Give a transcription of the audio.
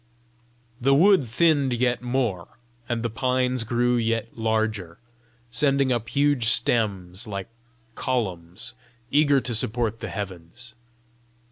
The wood thinned yet more, and the pines grew yet larger, sending up huge stems, like columns eager to support the heavens.